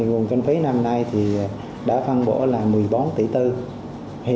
nguồn kinh phí năm nay thì đã phân bổ là một mươi mộ liệt sĩ